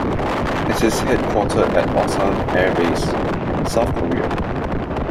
It is headquartered at Osan Air Base, South Korea.